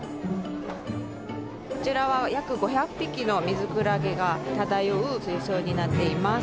こちらは約５００匹のミズクラゲが漂う水槽になっています。